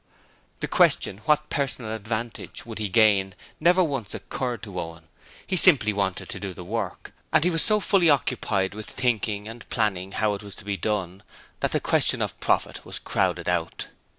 The question, what personal advantage would he gain never once occurred to Owen. He simply wanted to do the work; and he was so fully occupied with thinking and planning how it was to be done that the question of profit was crowded out.